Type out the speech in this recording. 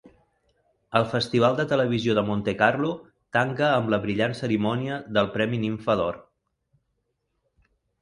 El Festival de Televisió de Montecarlo tanca amb la brillant cerimònia del Premi Nimfa d'Or.